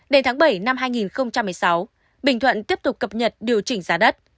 đến tháng bảy năm hai nghìn một mươi sáu bình thuận tiếp tục cập nhật điều chỉnh giá đất